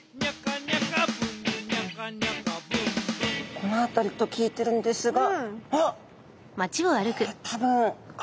この辺りと聞いてるんですがあっ！